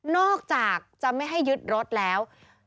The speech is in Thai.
อกจากจะไม่ให้ยึดรถแล้ว